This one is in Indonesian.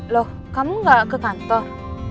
loh kamu gak ke kantor